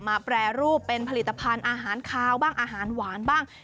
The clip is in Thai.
แปรรูปเป็นผลิตภัณฑ์อาหารคาวบ้างอาหารหวานบ้าง